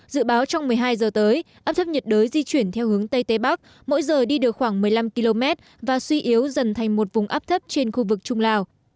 dự báo trong một mươi hai giờ tới áp thấp nhiệt đới di chuyển theo hướng tây tây bắc mỗi giờ đi được khoảng một mươi năm km và suy yếu dần thành một vùng áp thấp trên khu vực trung lào